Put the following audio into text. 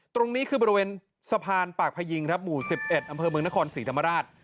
ตรงนี้คือบริเวณสะพานปากพยิงครับหมู่๑๑อำเภอเมืองนครศรีธรรมราช